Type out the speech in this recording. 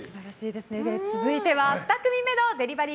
続いては２組目のデリバリー